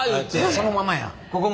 そのままや。